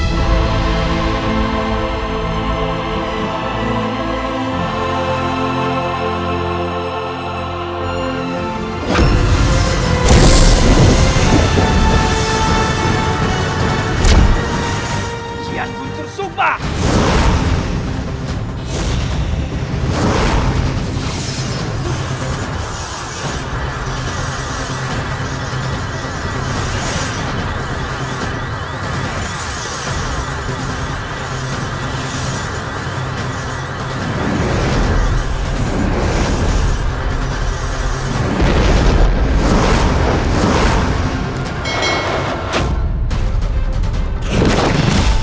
masih hati bersumpah